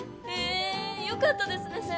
へえよかったですね。